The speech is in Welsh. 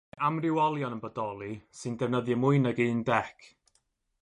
Mae amrywiolion yn bodoli sy'n defnyddio mwy nag un dec.